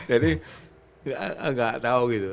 agak tahu gitu